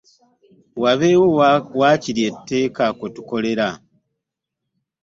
Wabeewo waakiri etteeka kwe tukolera.